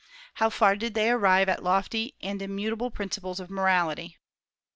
How far did they arrive at lofty and immutable principles of morality?